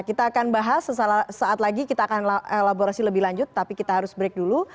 kita akan bahas sesaat lagi kita akan elaborasi lebih lanjut tapi kita harus break dulu